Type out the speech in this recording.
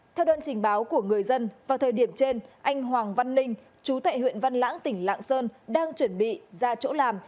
theo đơn trình báo của người dân vào thời điểm trên anh hoàng văn ninh chú tại huyện văn lãng tỉnh lạng sơn đang chuẩn bị ra chỗ làm